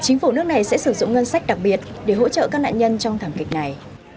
chính phủ nước này sẽ sử dụng ngân sách đặc biệt để hỗ trợ các nạn nhân trong thảm kịch này